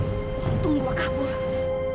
untung gue kabur